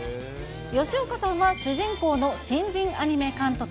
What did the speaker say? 吉岡さんは主人公の新人アニメ監督。